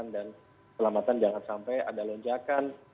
dan selamatan jangan sampai ada lonjakan